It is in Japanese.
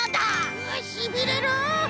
うしびれる！